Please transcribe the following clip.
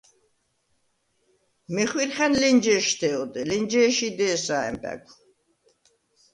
მეხვირხა̈ნ ლენჯე̄შთე ოდე, ლენჯე̄ში დე̄სა ა̈მბა̈გვ.